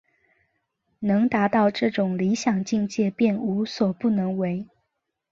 能达到这种理想境界便无所不能为。